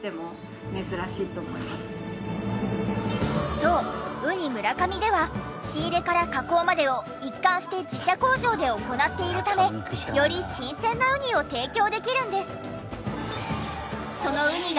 そううにむらかみでは仕入れから加工までを一貫して自社工場で行っているためより新鮮なうにを提供できるんです。